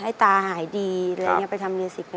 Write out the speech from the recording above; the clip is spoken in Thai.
ให้ตาหายดีอะไรอย่างนี่ไปทำกีฑาศิกต์อะครับ